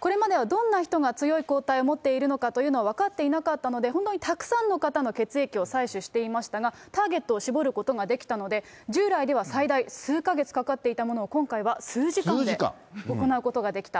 これまではどんな人が強い抗体を持っているのかというのが分かっていなかったので、本当にたくさんの方の血液を採取していましたが、ターゲットを絞ることができたので、従来では、最大数か月かかっていたものを、今回は数時間で行うことができた。